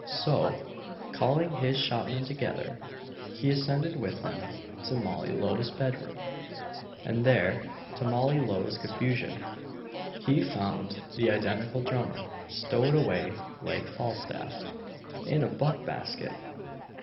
So, calling his shopmen together, he ascended with them to Molly Lowe's bed room; and there, to Molly Lowe's confusion, he found the identical drummer stowed away like Falstaff, in a buck basket!